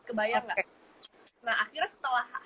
kebayar nggak nah akhirnya setelah